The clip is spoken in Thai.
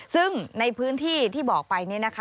ซึ่งในพื้นที่ที่บอกไปเนี่ยนะคะ